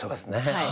はい。